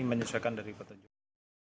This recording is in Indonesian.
menyusahkan dari petunjuk